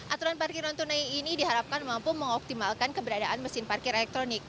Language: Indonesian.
aturan parkir non tunai ini diharapkan mampu mengoptimalkan keberadaan mesin parkir elektronik